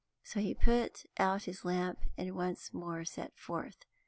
So he put out his lamp, and once more set forth.